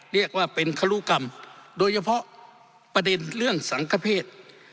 เรียกว่าเป็นครุกรรมโดยเฉพาะประเด็นเรื่องสังคเพศ